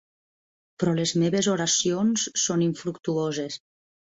Però les meves oracions són infructuoses.